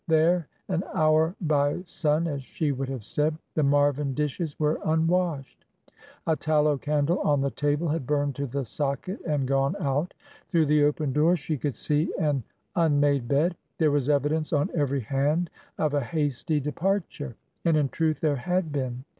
There, an hour by sun," as she would have said, the Marvin dishes were unwashed. A tallow candle on the table had burned to the socket and gone out. Through the open door she could see an unmade bed. There was evidence on every hand of a hasty departure. And, in truth, there had been.